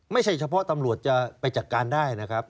ไม่ใช่เฉพาะตำรวจจะไปจัดการได้นะครับ